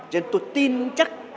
cho nên tôi tin chắc